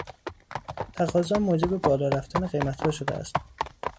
تقاضا موجب بالا رفتن قیمتها شده است